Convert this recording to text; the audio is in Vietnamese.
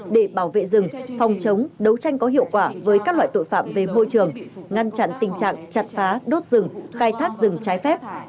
để bảo vệ rừng phòng chống đấu tranh có hiệu quả với các loại tội phạm về môi trường ngăn chặn tình trạng chặt phá đốt rừng khai thác rừng trái phép